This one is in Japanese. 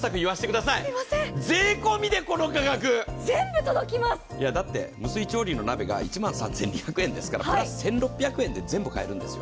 だって、無水調理の鍋が１万３２００円ですからプラス１６００円で全部買えるんですよ。